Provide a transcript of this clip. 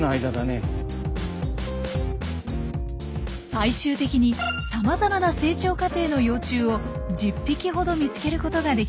最終的にさまざまな成長過程の幼虫を１０匹ほど見つけることができました。